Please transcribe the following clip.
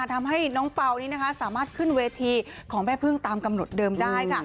ทำให้น้องเป่านี้สามารถขึ้นเวทีของแม่พึ่งตามกำหนดเดิมได้ค่ะ